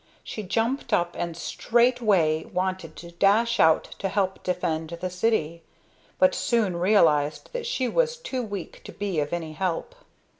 She jumped up and straightway wanted to dash out to help defend the city, but soon realized that she was too weak to be of any help.